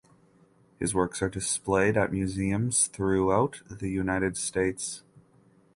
His works are displayed at museums throughout the United States.